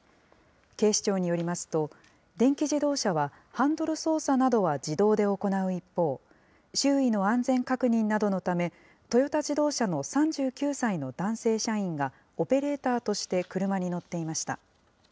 警視庁によりますと、電気自動車はハンドル操作などは自動で行う一方、周囲の安全確認などのため、トヨタ自動車の３９歳の男性社員が、オペレーターとして車に乗っていました。